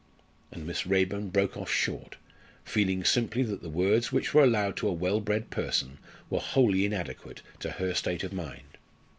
And Miss Raeburn broke off short, feeling simply that the words which were allowed to a well bred person were wholly inadequate to her state of mind.